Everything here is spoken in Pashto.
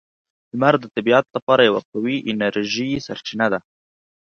• لمر د طبیعت لپاره یوه قوی انرژي سرچینه ده.